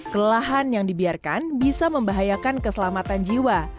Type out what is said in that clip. kelelahan yang dibiarkan bisa membahayakan keselamatan jiwa